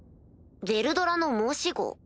ヴェルドラの申し子？